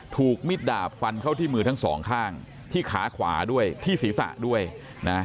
มิดดาบฟันเข้าที่มือทั้งสองข้างที่ขาขวาด้วยที่ศีรษะด้วยนะ